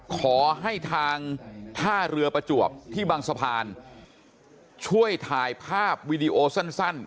ขอให้ทางท่าเรือประจวบที่บางสะพานช่วยถ่ายภาพวีดีโอสั้น